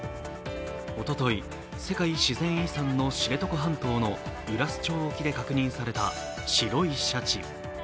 おおとい、世界自然遺産の知床半島の羅臼町沖で確認された白いシャチ。